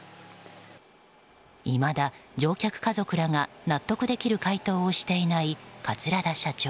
いまだ乗客家族らが納得できる回答をしていない桂田社長。